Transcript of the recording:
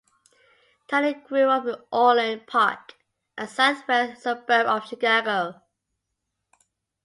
Tunney grew up in Orland Park, a southwest suburb of Chicago.